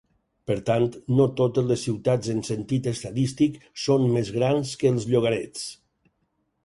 Per tant, no totes les ciutats en sentit estadístic són més grans que els llogarets.